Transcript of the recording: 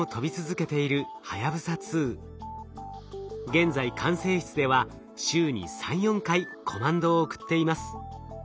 現在管制室では週に３４回コマンドを送っています。